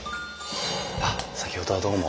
あっ先ほどはどうも。